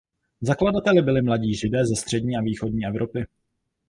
Zakladateli byli mladí Židé ze střední a východní Evropy.